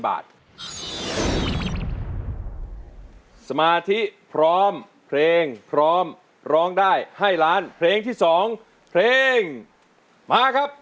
มาสมาธิพร้อมเพลงพร้อมร้องได้ให้ล้านเพลงที่๒เพลงมาครับ